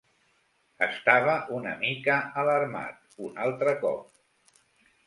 Estava una mica alarmat un altre cop.